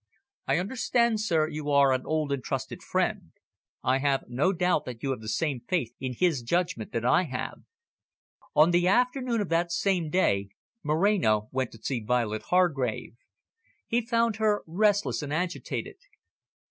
"I understand, sir, you are an old and trusted friend. I have no doubt that you have the same faith in his judgment that I have." On the afternoon of that same day Moreno went to see Violet Hargrave. He found her restless and agitated.